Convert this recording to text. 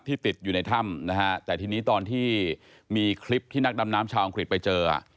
ติดอยู่ในถ้ำนะฮะแต่ทีนี้ตอนที่มีคลิปที่นักดำน้ำชาวอังกฤษไปเจอ